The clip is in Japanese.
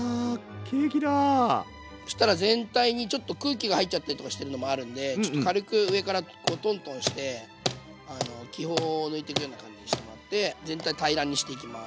そしたら全体にちょっと空気が入っちゃったりとかしてるのもあるんでちょっと軽く上からトントンして気泡を抜いていくような感じにしてもらって全体平らにしていきます。